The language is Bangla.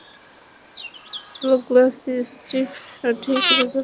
প্রেগ্ন্যাসি স্ট্রিপ সঠিক রেজাল্ট দিয়েছে।